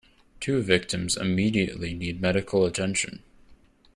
Two victims immediately need medical attention.